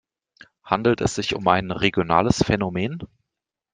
Handelt es sich um ein regionales Phänomen?